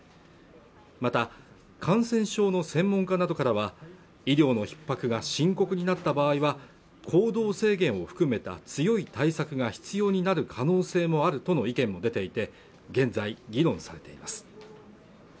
また感染症の専門家などからは医療のひっ迫が深刻になった場合は行動制限を含めた強い対策が必要になる可能性もあるとの意見も出ていて現在議論されています